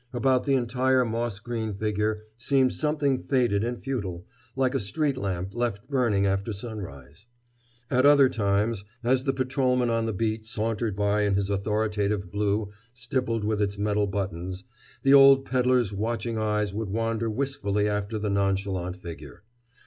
About the entire moss green figure seemed something faded and futile, like a street lamp left burning after sunrise. At other times, as the patrolman on the beat sauntered by in his authoritative blue stippled with its metal buttons, the old peddler's watching eyes would wander wistfully after the nonchalant figure.